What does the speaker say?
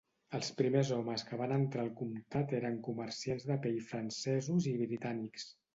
Els primers homes que van entrar al comtat eren comerciants de pell francesos i britànics.